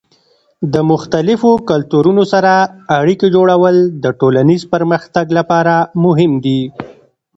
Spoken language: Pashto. د مختلفو کلتورونو سره اړیکې جوړول د ټولنیز پرمختګ لپاره مهم دي.